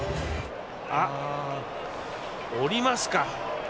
あっ降りますか。